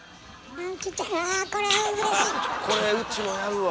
あっこれうちもやるわ。